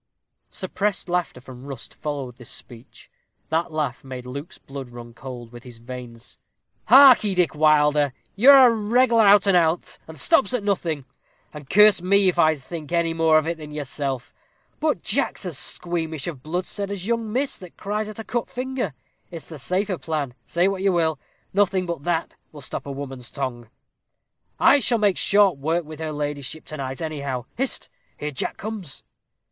Suppressed laughter from Rust followed this speech. That laugh made Luke's blood run cold within his veins. "Harkee, Dick Wilder, you're a reg'lar out and outer, and stops at nothing, and curse me if I'd think any more of it than yourself. But Jack's as squeamish of bloodshed as young Miss that cries at her cut finger. It's the safer plan. Say what you will, nothing but that will stop a woman's tongue." "I shall make short work with her ladyship to night, anyhow. Hist! here Jack comes."